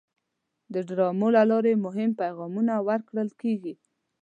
د ډرامو له لارې مهم پیغامونه ورکول کېږي.